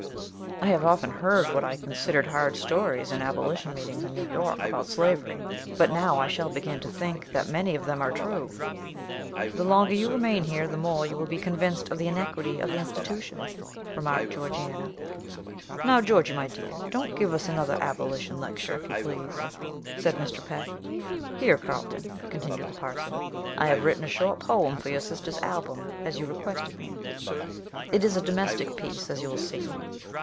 "I have often heard what I considered hard stories in abolition meetings in New York about slavery; but now I shall begin to think that many of them are true." "The longer you remain here the more you will be convinced of the iniquity of the institution," remarked Georgiana. "Now, Georgy, my dear, don't give us another abolition lecture, if you please," said Mr. Peck. "Here, Carlton," continued the parson, "I have written a short poem for your sister's album, as you requested me; it is a domestic piece, as you will see."